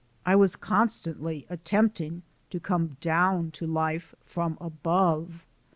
I was constantly attempting to come down to life from above.